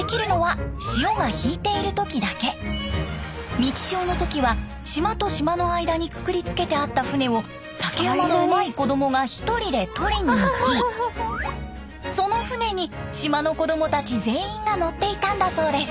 満ち潮の時は島と島の間にくくりつけてあった船を竹馬のうまい子供が一人で取りに行きその船に島の子供たち全員が乗っていたんだそうです。